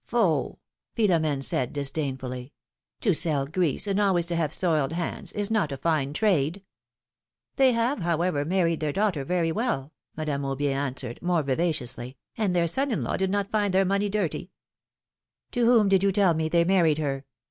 Faugh!" Philom^ne said, disdainfully. To sell grease, and always to have soiled hands, is not a fine trade I " PHILOM|]NE's marriages. 23 ^^They have, however, married their daughter very well,^' Madame Aubier answered, more vivaciously; ^^and their son in law did not find their money dirty ^^To whom did you tell me they married her?